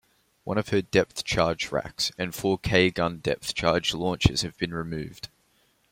One of her depth-charge racks, and four "K-gun" depth charge launchers have been removed.